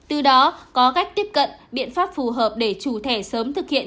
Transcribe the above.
từ đó có cách tiếp cận biện pháp phù hợp để chủ thẻ sớm thực hiện